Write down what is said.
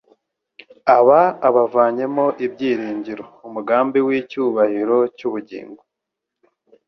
aba abavanyemo ibyiringiro, umugambi n'icyubahiro cy'ubugingo.